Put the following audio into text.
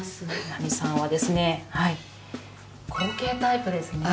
南さんはですね後傾タイプですね。